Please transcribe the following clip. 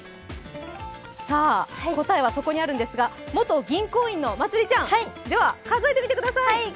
答えはそこにあるんですが、元銀行員のまつりちゃん、では、数えてみてください！